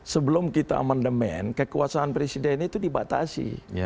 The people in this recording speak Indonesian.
sebelum kita amandemen kekuasaan presiden itu dibatasi